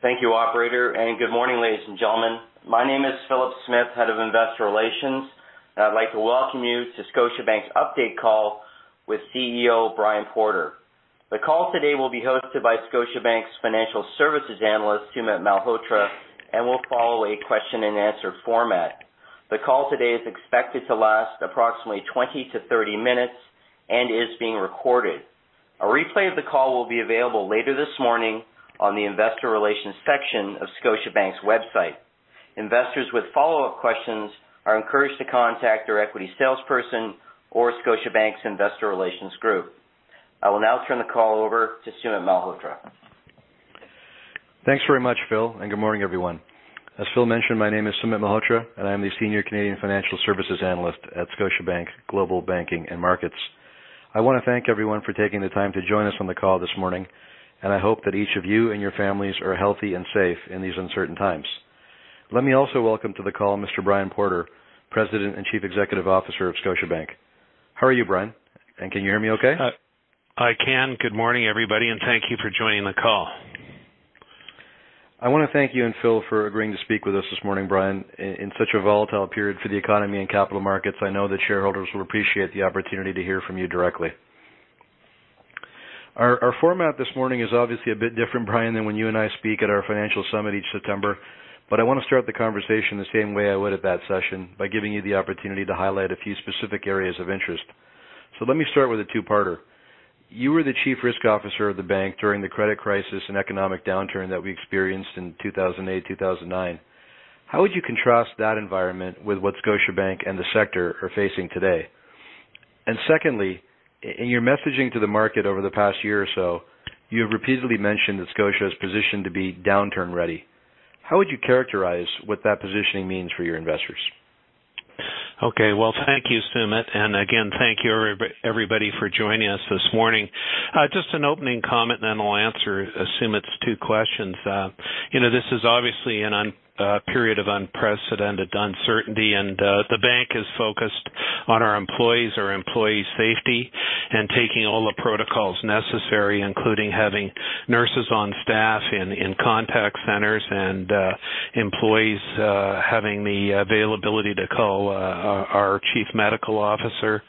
Thank you, operator, and good morning, ladies and gentlemen. My name is Philip Smith, Head of Investor Relations, and I'd like to welcome you to Scotiabank's update call with CEO Brian Porter. The call today will be hosted by Scotiabank's Financial Services Analyst, Sumit Malhotra, and will follow a question and answer format. The call today is expected to last approximately 20-30 minutes and is being recorded. A replay of the call will be available later this morning on the Investor Relations section of Scotiabank's website. Investors with follow-up questions are encouraged to contact their equity salesperson or Scotiabank's Investor Relations group. I will now turn the call over to Sumit Malhotra. Thanks very much, Phil. Good morning, everyone. As Phil mentioned, my name is Sumit Malhotra, and I'm the Senior Canadian Financial Services Analyst at Scotiabank Global Banking and Markets. I want to thank everyone for taking the time to join us on the call this morning, and I hope that each of you and your families are healthy and safe in these uncertain times. Let me also welcome to the call Mr. Brian Porter, President and Chief Executive Officer of Scotiabank. How are you, Brian, and can you hear me okay? I can. Good morning, everybody, and thank you for joining the call. I want to thank you and Phil for agreeing to speak with us this morning, Brian. In such a volatile period for the economy and capital markets, I know that shareholders will appreciate the opportunity to hear from you directly. Our format this morning is obviously a bit different, Brian, than when you and I speak at our financial summit each September. I want to start the conversation the same way I would at that session, by giving you the opportunity to highlight a few specific areas of interest. Let me start with a two-parter. You were the Chief Risk Officer of the bank during the credit crisis and economic downturn that we experienced in 2008, 2009. How would you contrast that environment with what Scotiabank and the sector are facing today? Secondly, in your messaging to the market over the past year or so, you have repeatedly mentioned that Scotiabank is positioned to be downturn ready. How would you characterize what that positioning means for your investors? Okay. Well, thank you, Sumit, and again, thank you everybody for joining us this morning. Just an opening comment, then I'll answer Sumit's two questions. This is obviously a period of unprecedented uncertainty, and the bank is focused on our employees, our employee safety, and taking all the protocols necessary, including having nurses on staff in contact centers and employees having the availability to call our Chief Medical Officer.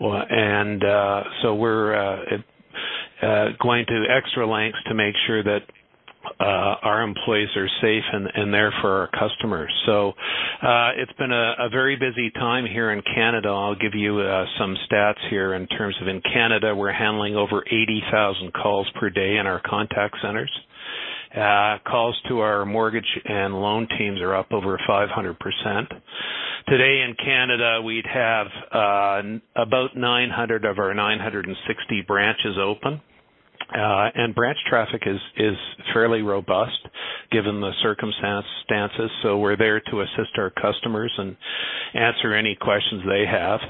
We're going to extra lengths to make sure that our employees are safe and there for our customers. It's been a very busy time here in Canada. I'll give you some stats here in terms of in Canada, we're handling over 80,000 calls per day in our contact centers. Calls to our mortgage and loan teams are up over 500%. Today in Canada, we'd have about 900 of our 960 branches open. Branch traffic is fairly robust given the circumstances. We're there to assist our customers and answer any questions they have.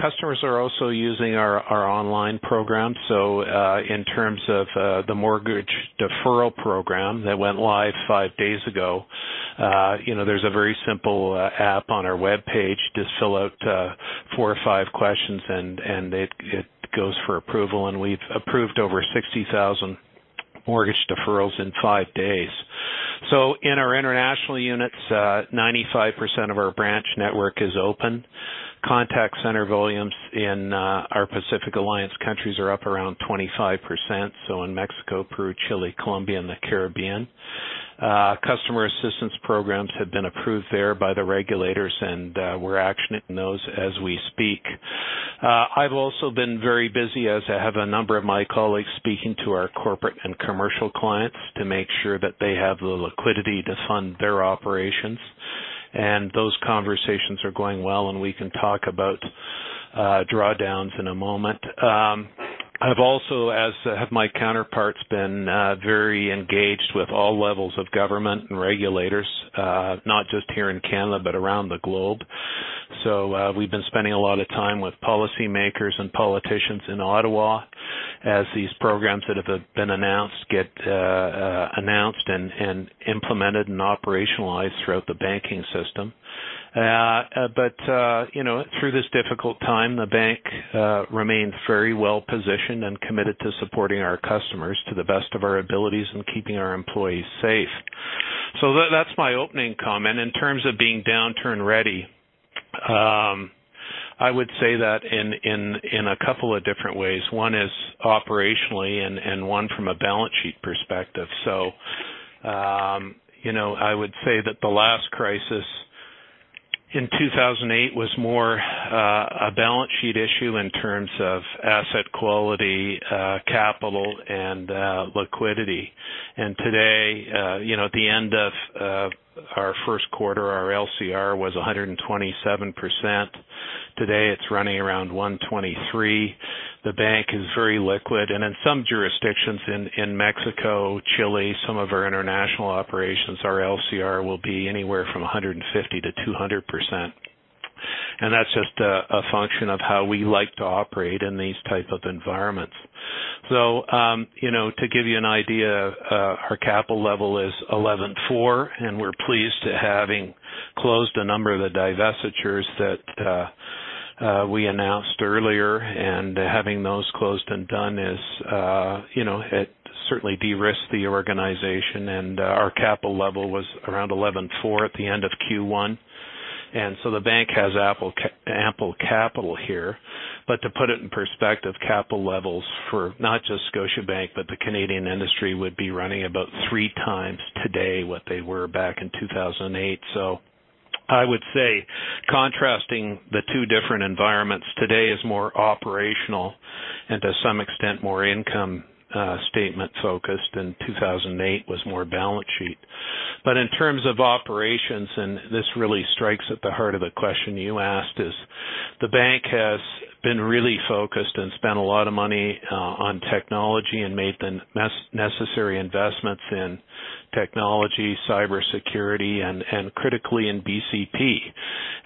Customers are also using our online program. In terms of the mortgage deferral program that went live five days ago, there's a very simple app on our webpage. Just fill out four or five questions, and it goes for approval. We've approved over 60,000 mortgage deferrals in five days. In our international units, 95% of our branch network is open. Contact center volumes in our Pacific Alliance countries are up around 25%, so in Mexico, Peru, Chile, Colombia, and the Caribbean. Customer assistance programs have been approved there by the regulators, and we're actioning those as we speak. I've also been very busy, as have a number of my colleagues, speaking to our corporate and commercial clients to make sure that they have the liquidity to fund their operations. Those conversations are going well, and we can talk about drawdowns in a moment. I've also, as have my counterparts, been very engaged with all levels of government and regulators, not just here in Canada, but around the globe. We've been spending a lot of time with policymakers and politicians in Ottawa as these programs that have been announced get announced and implemented and operationalized throughout the banking system. Through this difficult time, the bank remains very well-positioned and committed to supporting our customers to the best of our abilities and keeping our employees safe. That's my opening comment. In terms of being downturn ready, I would say that in a couple of different ways. One is operationally and one from a balance sheet perspective. I would say that the last crisis in 2008 was more a balance sheet issue in terms of asset quality, capital, and liquidity. Today, at the end of our first quarter, our LCR was 127%. Today, it's running around 123%. The bank is very liquid, and in some jurisdictions in Mexico, Chile, some of our international operations, our LCR will be anywhere from 150%-200%. That's just a function of how we like to operate in these type of environments. To give you an idea, our capital level is 11.4%, and we're pleased to having closed a number of the divestitures that we announced earlier and having those closed and done it certainly de-risked the organization, and our capital level was around 11.4% at the end of Q1. The bank has ample capital here. To put it in perspective, capital levels for not just Scotiabank, but the Canadian industry would be running about three times today what they were back in 2008. I would say contrasting the two different environments today is more operational and to some extent more income statement focused, and 2008 was more balance sheet. In terms of operations, and this really strikes at the heart of the question you asked, is the bank has been really focused and spent a lot of money on technology and made the necessary investments in technology, cybersecurity, and critically in BCP.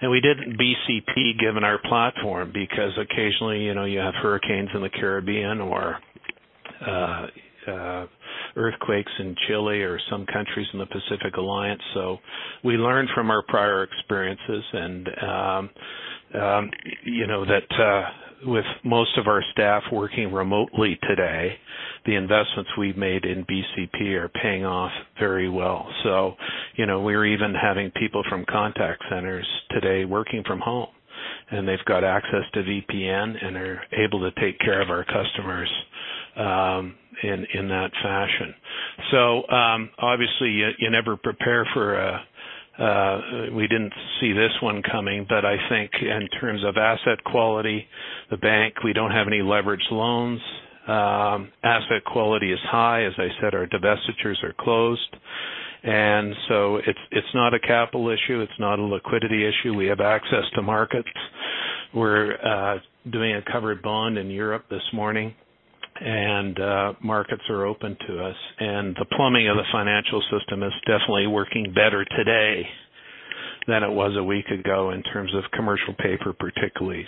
We did BCP given our platform, because occasionally you have hurricanes in the Caribbean or earthquakes in Chile or some countries in the Pacific Alliance. We learned from our prior experiences and that with most of our staff working remotely today, the investments we've made in BCP are paying off very well. We are even having people from contact centers today working from home, and they've got access to VPN and are able to take care of our customers in that fashion. Obviously you never prepare for we didn't see this one coming, but I think in terms of asset quality, the bank, we don't have any leveraged loans. Asset quality is high. As I said, our divestitures are closed. It's not a capital issue. It's not a liquidity issue. We have access to markets. We're doing a covered bond in Europe this morning, and markets are open to us. The plumbing of the financial system is definitely working better today than it was a week ago in terms of commercial paper, particularly.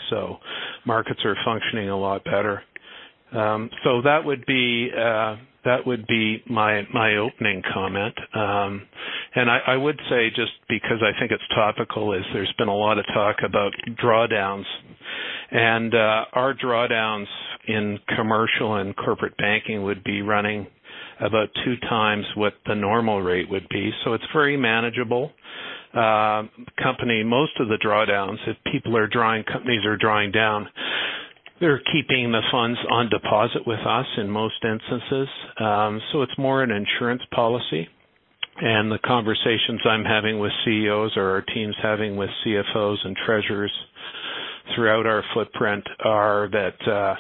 Markets are functioning a lot better. That would be my opening comment. I would say, just because I think it's topical, is there's been a lot of talk about drawdowns. Our drawdowns in commercial and corporate banking would be running about two times what the normal rate would be, so it's very manageable. Most of the drawdowns, if companies are drawing down, they're keeping the funds on deposit with us in most instances. It's more an insurance policy, and the conversations I'm having with CEOs or our teams having with CFOs and treasurers throughout our footprint are that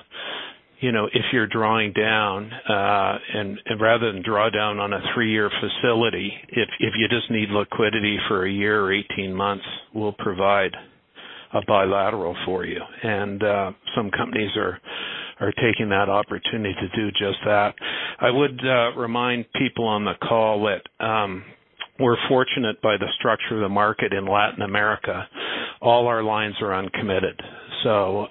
if you're drawing down and rather than draw down on a three-year facility, if you just need liquidity for a year or 18 months, we'll provide a bilateral for you. Some companies are taking that opportunity to do just that. I would remind people on the call that we're fortunate by the structure of the market in Latin America. All our lines are uncommitted, so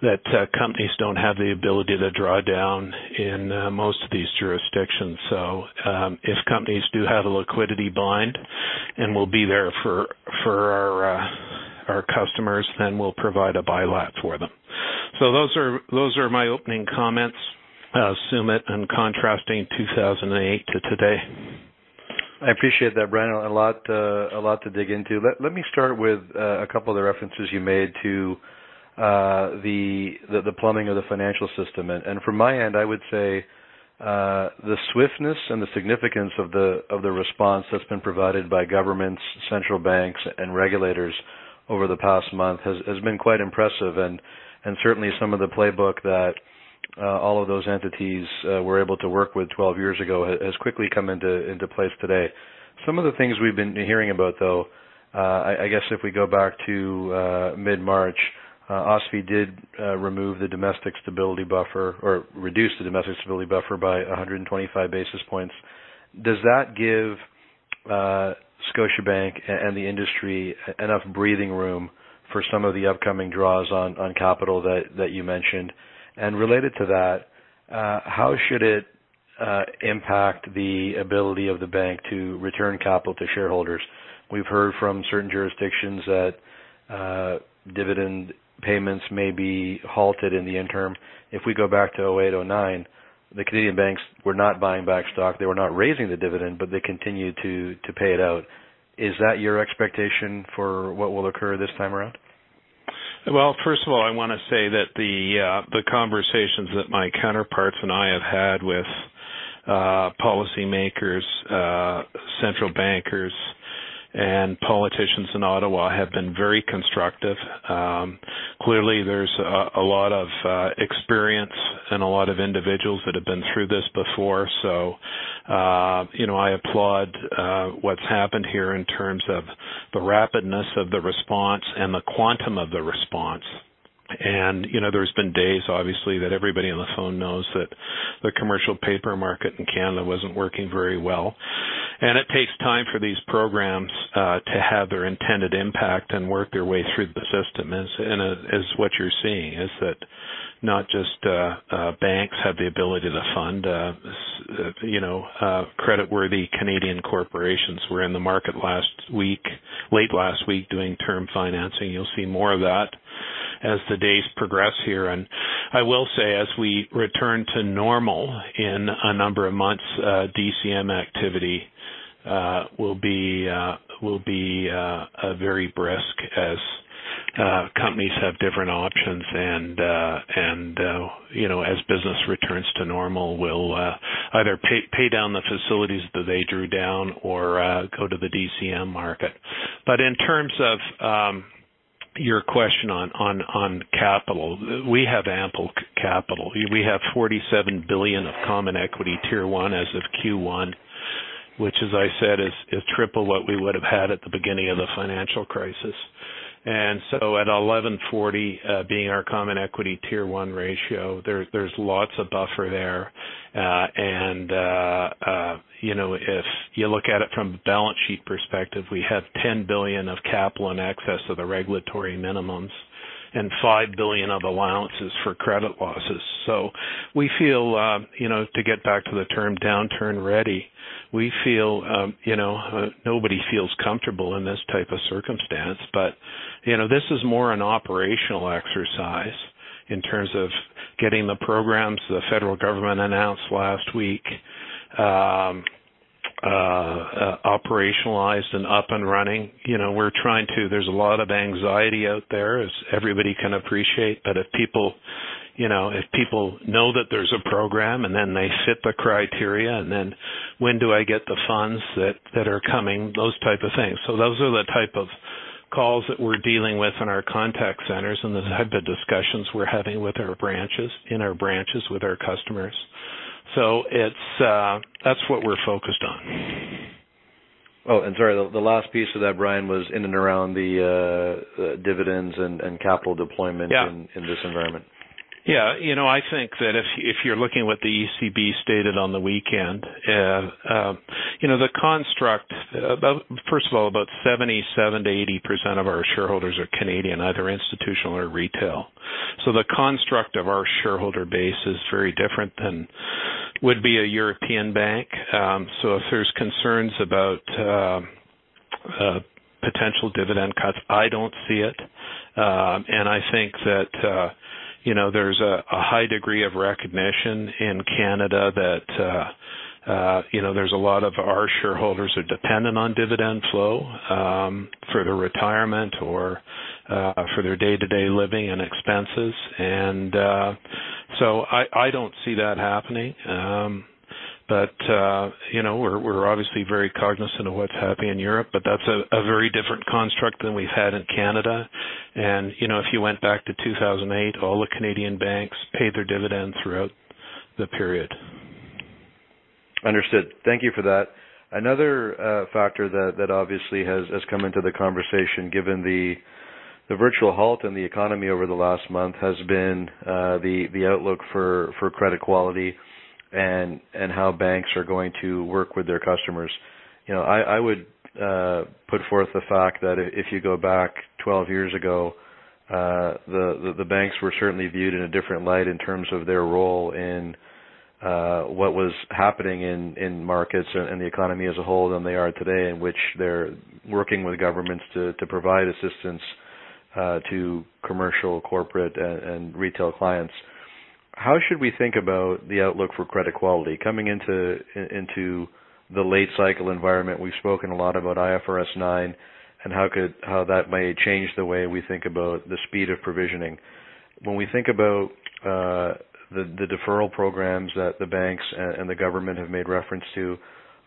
that companies don't have the ability to draw down in most of these jurisdictions. If companies do have a liquidity bind, and we'll be there for our customers, then we'll provide a bilat for them. Those are my opening comments, Sumit, on contrasting 2008 to today. I appreciate that, Brian. A lot to dig into. Let me start with a couple of the references you made to the plumbing of the financial system. From my end, I would say the swiftness and the significance of the response that's been provided by governments, central banks, and regulators over the past month has been quite impressive. Certainly some of the playbook that all of those entities were able to work with 12 years ago has quickly come into place today. Some of the things we've been hearing about, though, I guess if we go back to mid-March, OSFI did remove the Domestic Stability Buffer or reduced the Domestic Stability Buffer by 125 basis points. Does that give Scotiabank and the industry enough breathing room for some of the upcoming draws on capital that you mentioned? Related to that, how should it impact the ability of the bank to return capital to shareholders? We've heard from certain jurisdictions that dividend payments may be halted in the interim. If we go back to 2008, 2009, the Canadian banks were not buying back stock. They were not raising the dividend, but they continued to pay it out. Is that your expectation for what will occur this time around? Well, first of all, I want to say that the conversations that my counterparts and I have had with policymakers, central bankers, and politicians in Ottawa have been very constructive. Clearly, there's a lot of experience and a lot of individuals that have been through this before. I applaud what's happened here in terms of the rapidness of the response and the quantum of the response. There's been days, obviously, that everybody on the phone knows that the commercial paper market in Canada wasn't working very well. It takes time for these programs to have their intended impact and work their way through the system. As what you're seeing is that not just banks have the ability to fund creditworthy Canadian corporations. We're in the market late last week doing term financing. You'll see more of that as the days progress here. I will say, as we return to normal in a number of months, DCM activity will be very brisk as companies have different options. As business returns to normal, we'll either pay down the facilities that they drew down or go to the DCM market. In terms of your question on capital, we have ample capital. We have 47 billion of Common Equity Tier 1 as of Q1, which as I said, is triple what we would have had at the beginning of the financial crisis. At 11.40 being our Common Equity Tier 1 ratio, there's lots of buffer there. If you look at it from a balance sheet perspective, we have 10 billion of capital in excess of the regulatory minimums and 5 billion of allowances for credit losses. To get back to the term downturn ready, we feel nobody feels comfortable in this type of circumstance. This is more an operational exercise in terms of getting the programs the federal government announced last week operationalized and up and running. There's a lot of anxiety out there as everybody can appreciate. If people know that there's a program and then they fit the criteria, and then when do I get the funds that are coming, those type of things. Those are the type of calls that we're dealing with in our contact centers and the type of discussions we're having in our branches with our customers. That's what we're focused on. Oh, sorry, the last piece of that, Brian, was in and around the dividends and capital deployment in this environment. Yeah. I think that if you're looking at what the ECB stated on the weekend. First of all, about 77%-80% of our shareholders are Canadian, either institutional or retail. The construct of our shareholder base is very different than would be a European bank. If there's concerns about potential dividend cuts, I don't see it. I think that there's a high degree of recognition in Canada that there's a lot of our shareholders are dependent on dividend flow for their retirement or for their day-to-day living and expenses. I don't see that happening. We're obviously very cognizant of what's happening in Europe, but that's a very different construct than we've had in Canada. If you went back to 2008, all the Canadian banks paid their dividends throughout the period. Understood. Thank you for that. Another factor that obviously has come into the conversation given the virtual halt in the economy over the last month has been the outlook for credit quality and how banks are going to work with their customers. I would put forth the fact that if you go back 12 years ago, the banks were certainly viewed in a different light in terms of their role in what was happening in markets and the economy as a whole than they are today, in which they're working with governments to provide assistance to commercial, corporate, and retail clients. How should we think about the outlook for credit quality? Coming into the late cycle environment, we've spoken a lot about IFRS 9 and how that may change the way we think about the speed of provisioning. When we think about the deferral programs that the banks and the government have made reference to,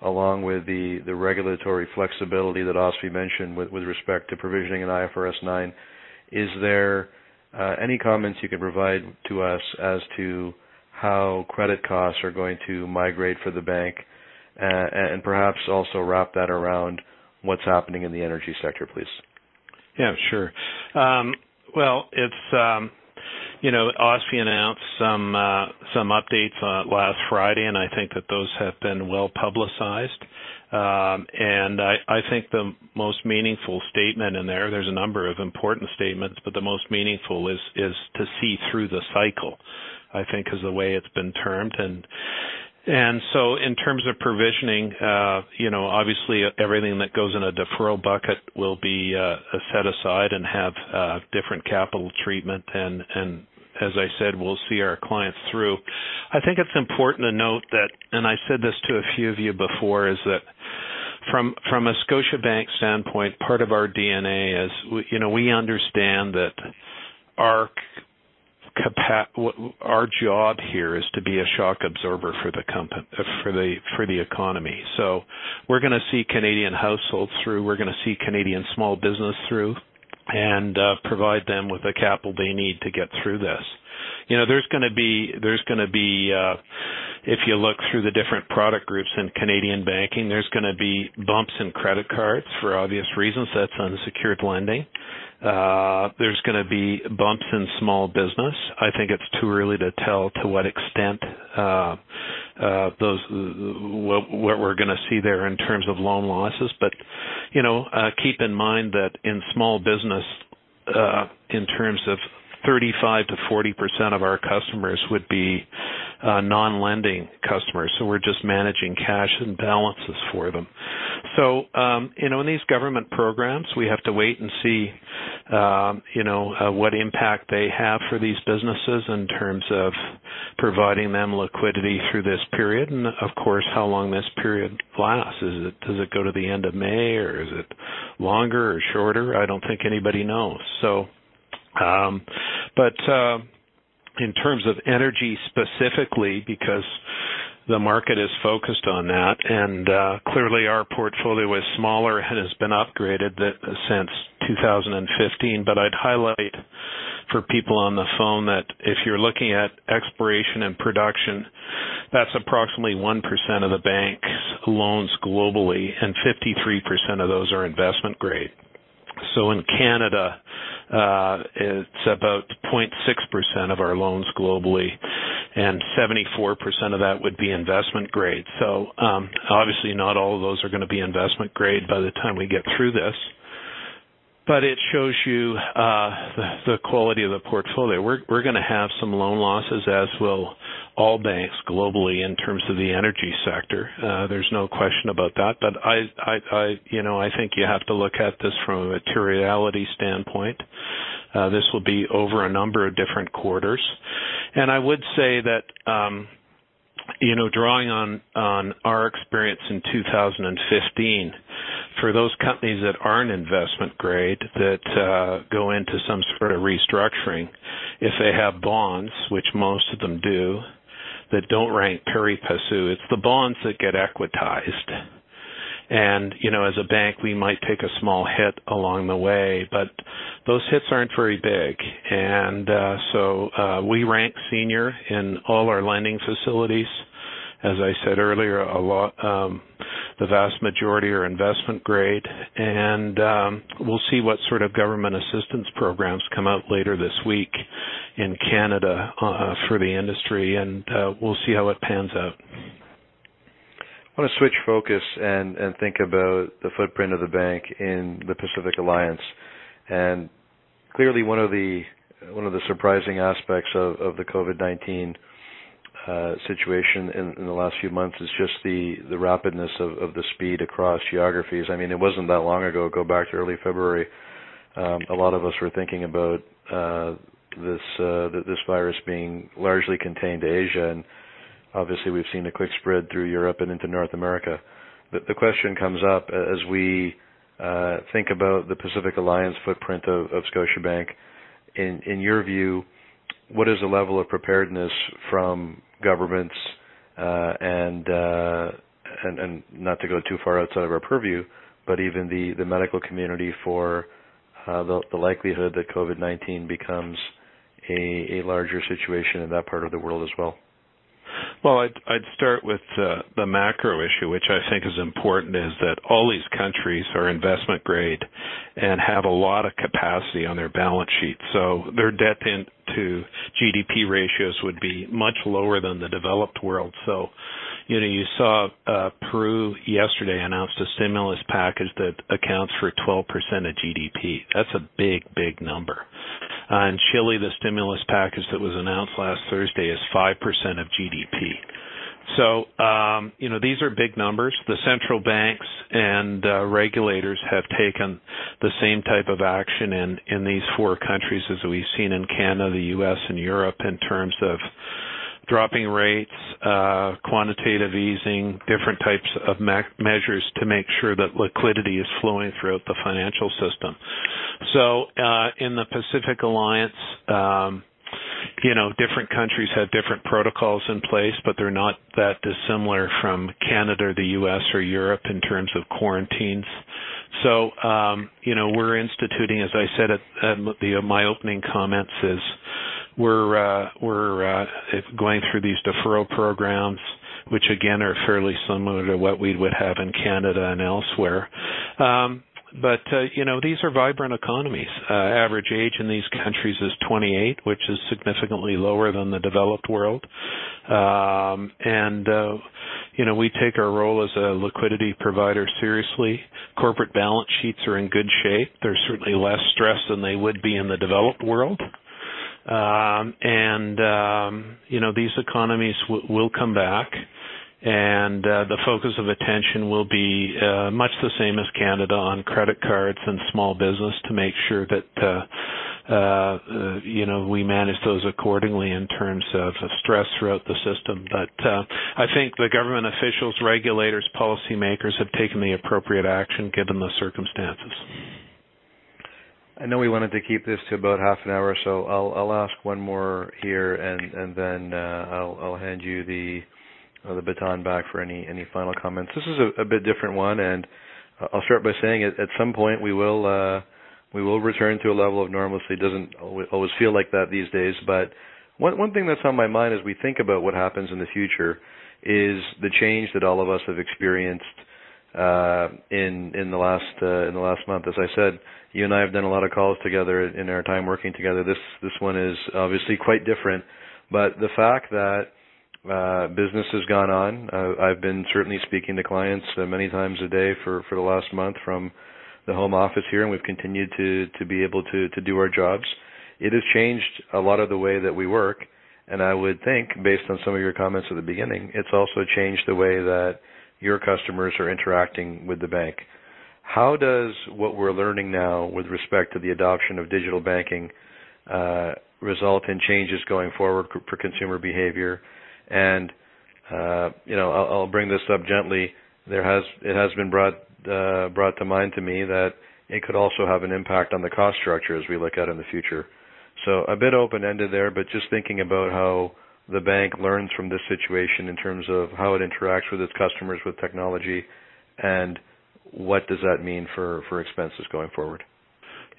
along with the regulatory flexibility that OSFI mentioned with respect to provisioning and IFRS 9, is there any comments you could provide to us as to how credit costs are going to migrate for the bank? Perhaps also wrap that around what's happening in the energy sector, please? Yeah, sure. Well, OSFI announced some updates last Friday, and I think that those have been well-publicized. I think the most meaningful statement in there's a number of important statements, but the most meaningful is to see through the cycle, I think is the way it's been termed. In terms of provisioning, obviously everything that goes in a deferral bucket will be set aside and have different capital treatment. As I said, we'll see our clients through. I think it's important to note that, and I said this to a few of you before, is that from a Scotiabank standpoint, part of our DNA is we understand that our job here is to be a shock absorber for the economy. We're going to see Canadian households through, we're going to see Canadian small business through and provide them with the capital they need to get through this. If you look through the different product groups in Canadian banking, there's going to be bumps in credit cards for obvious reasons. That's unsecured lending. There's going to be bumps in small business. I think it's too early to tell to what extent those what we're going to see there in terms of loan losses. Keep in mind that in small business, in terms of 35%-40% of our customers would be non-lending customers, so we're just managing cash and balances for them. In these government programs, we have to wait and see what impact they have for these businesses in terms of providing them liquidity through this period. Of course, how long this period lasts. Does it go to the end of May or is it longer or shorter? I don't think anybody knows. In terms of energy specifically, because the market is focused on that, and clearly our portfolio is smaller and has been upgraded since 2015. I'd highlight for people on the phone that if you're looking at exploration and production, that's approximately 1% of the bank's loans globally, and 53% of those are investment grade. In Canada, it's about 0.6% of our loans globally, and 74% of that would be investment grade. Obviously not all of those are going to be investment grade by the time we get through this. It shows you the quality of the portfolio. We're going to have some loan losses, as will all banks globally in terms of the energy sector. There's no question about that. I think you have to look at this from a materiality standpoint. This will be over a number of different quarters. I would say that drawing on our experience in 2015, for those companies that aren't investment grade, that go into some sort of restructuring, if they have bonds, which most of them do, that don't rank pari passu, it's the bonds that get equitized. As a bank, we might take a small hit along the way, but those hits aren't very big. We rank senior in all our lending facilities. As I said earlier, the vast majority are investment grade. We'll see what sort of government assistance programs come out later this week in Canada for the industry, and we'll see how it pans out. I want to switch focus and think about the footprint of the bank in the Pacific Alliance. Clearly, one of the surprising aspects of the COVID-19 situation in the last few months is just the rapidness of the speed across geographies. It wasn't that long ago. Go back to early February. A lot of us were thinking about this virus being largely contained to Asia, and obviously, we've seen a quick spread through Europe and into North America. The question comes up as we think about the Pacific Alliance footprint of Scotiabank. In your view, what is the level of preparedness from governments, and not to go too far outside of our purview, but even the medical community for the likelihood that COVID-19 becomes a larger situation in that part of the world as well? I'd start with the macro issue, which I think is important, is that all these countries are investment grade and have a lot of capacity on their balance sheet. Their debt-into-GDP ratios would be much lower than the developed world. You saw Peru yesterday announced a stimulus package that accounts for 12% of GDP. That's a big number. In Chile, the stimulus package that was announced last Thursday is 5% of GDP. These are big numbers. The central banks and regulators have taken the same type of action in these four countries as we've seen in Canada, the U.S., and Europe in terms of dropping rates, quantitative easing, different types of measures to make sure that liquidity is flowing throughout the financial system. In the Pacific Alliance, different countries have different protocols in place, but they're not that dissimilar from Canada or the U.S. or Europe in terms of quarantines. We're instituting, as I said at my opening comments, is we're going through these deferral programs, which again, are fairly similar to what we would have in Canada and elsewhere. These are vibrant economies. Average age in these countries is 28, which is significantly lower than the developed world. We take our role as a liquidity provider seriously. Corporate balance sheets are in good shape. They're certainly less stressed than they would be in the developed world. These economies will come back, and the focus of attention will be much the same as Canada on credit cards and small business to make sure that we manage those accordingly in terms of stress throughout the system. I think the government officials, regulators, policymakers have taken the appropriate action given the circumstances. I know we wanted to keep this to about half an hour, so I'll ask one more here, and then I'll hand you the baton back for any final comments. This is a bit different one, and I'll start by saying, at some point, we will return to a level of normalcy. It doesn't always feel like that these days. One thing that's on my mind as we think about what happens in the future is the change that all of us have experienced in the last month. As I said, you and I have done a lot of calls together in our time working together. This one is obviously quite different. The fact that business has gone on, I've been certainly speaking to clients many times a day for the last month from the home office here, and we've continued to be able to do our jobs. It has changed a lot of the way that we work, and I would think, based on some of your comments at the beginning, it's also changed the way that your customers are interacting with the bank. How does what we're learning now with respect to the adoption of digital banking result in changes going forward for consumer behavior? I'll bring this up gently. It has been brought to mind to me that it could also have an impact on the cost structure as we look out in the future. A bit open-ended there, but just thinking about how the bank learns from this situation in terms of how it interacts with its customers, with technology, and what does that mean for expenses going forward.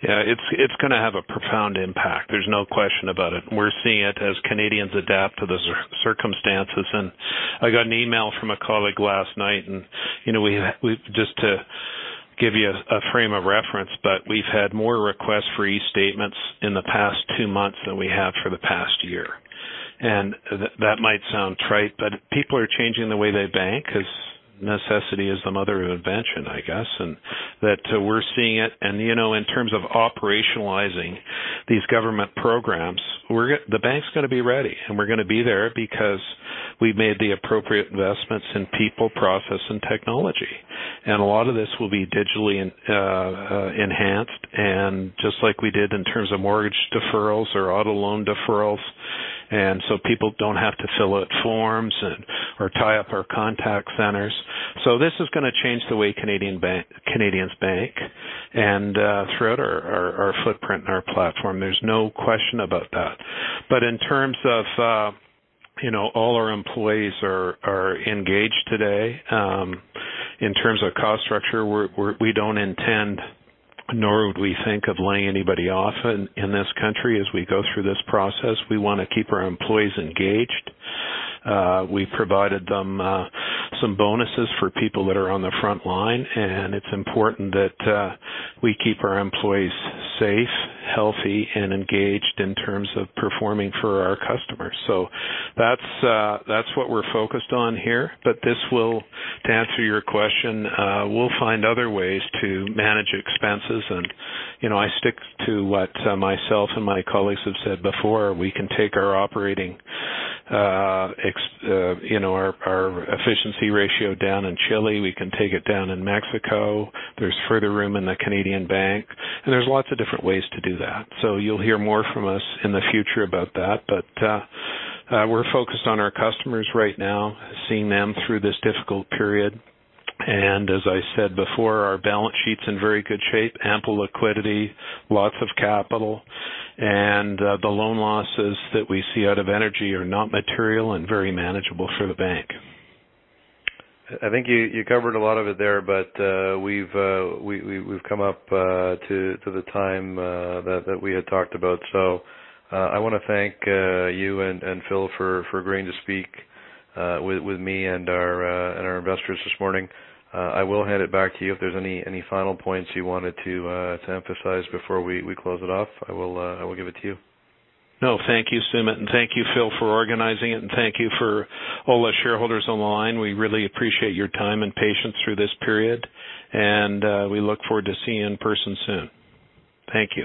Yeah. It's going to have a profound impact. There's no question about it. We're seeing it as Canadians adapt to the circumstances. I got an email from a colleague last night, and just to give you a frame of reference, but we've had more requests for e-statements in the past two months than we have for the past year. That might sound trite, but people are changing the way they bank because necessity is the mother of invention, I guess. That we're seeing it. In terms of operationalizing these government programs, the bank's going to be ready, and we're going to be there because we've made the appropriate investments in people, process, and technology. A lot of this will be digitally enhanced, just like we did in terms of mortgage deferrals or auto loan deferrals, people don't have to fill out forms or tie up our contact centers. This is going to change the way Canadians bank and throughout our footprint and our platform. There's no question about that. In terms of all our employees are engaged today. In terms of cost structure, we don't intend, nor would we think of laying anybody off in this country as we go through this process. We want to keep our employees engaged. We provided them some bonuses for people that are on the front line, and it's important that we keep our employees safe, healthy, and engaged in terms of performing for our customers. That's what we're focused on here. To answer your question, we'll find other ways to manage expenses. I stick to what myself and my colleagues have said before. We can take our operating, our efficiency ratio down in Chile. We can take it down in Mexico. There's further room in the Canadian Bank. There's lots of different ways to do that. You'll hear more from us in the future about that. We're focused on our customers right now, seeing them through this difficult period. As I said before, our balance sheet's in very good shape. Ample liquidity, lots of capital. The loan losses that we see out of energy are not material and very manageable for the bank. I think you covered a lot of it there. We've come up to the time that we had talked about. I want to thank you and Phil for agreeing to speak with me and our investors this morning. I will hand it back to you if there's any final points you wanted to emphasize before we close it off. I will give it to you. No. Thank you, Sumit, and thank you, Phil, for organizing it, and thank you for all the shareholders on the line. We really appreciate your time and patience through this period, and we look forward to seeing you in person soon. Thank you.